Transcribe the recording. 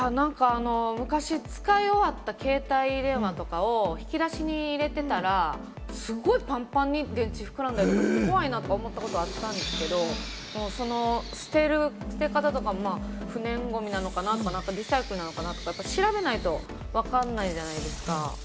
昔、使い終わった携帯電話とかを引き出しに入れてたら、すごいパンパンに膨らんだりとかして怖いなと思ったことがあったんですけれども、捨て方とかも不燃ゴミなのかなとか、リサイクルなのかな？って、調べないとわからないじゃないですか。